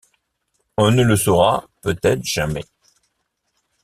On ne le saura peut-être jamais...